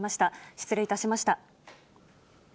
失礼いたしました。